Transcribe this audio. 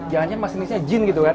jalannya masinisnya jin gitu kan